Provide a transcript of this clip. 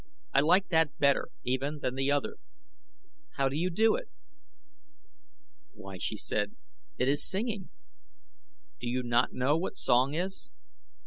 "I liked that better, even, than the other. How do you do it?" "Why," she said, "it is singing. Do you not know what song is?"